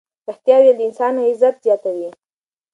ریښتیا ویل د انسان عزت زیاتوي.